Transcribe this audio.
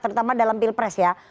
terutama dalam pilpres ya